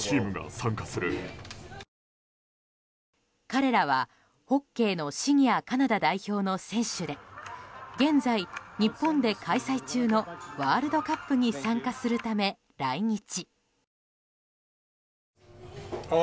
彼らは、ホッケーのシニアカナダ代表の選手で現在、日本で開催中のワールドカップに参加するため来日。